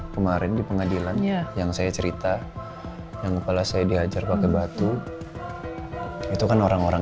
kemarin di pengadilan yang saya cerita yang kepala saya dihajar pakai batu itu kan orang orang